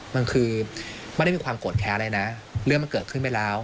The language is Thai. มันคือไม่ได้มีความโกรธแค้นอะไรนะเรื่องมันเกิดขึ้นไปแล้ว